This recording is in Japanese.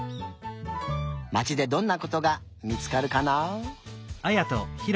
まちでどんなことが見つかるかな？